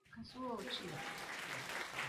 Kazuo Uchida